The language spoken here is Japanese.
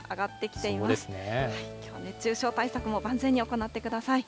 きょうは熱中症対策も万全に行ってください。